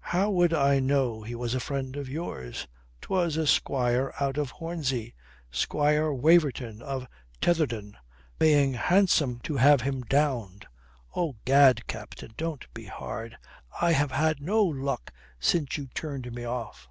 "How would I know he was a friend of yours? 'Twas a squire out of Hornsey. Squire Waverton of Tetherdown. Paying handsome to have him downed. Oh, gad, captain, don't be hard. I ha' had no luck since you turned me off."